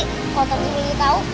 kalau tonton ini tau